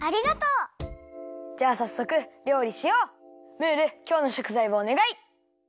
ムールきょうのしょくざいをおねがい。